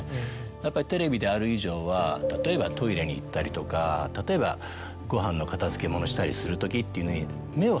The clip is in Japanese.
やっぱりテレビである以上は例えばトイレに行ったりとか例えばご飯の片付けものしたりするときっていうのに。